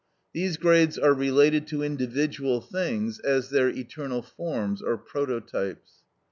These grades are related to individual things as their eternal forms or prototypes.